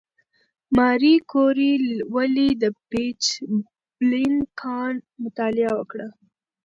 ماري کوري ولې د پیچبلېند کان مطالعه وکړه؟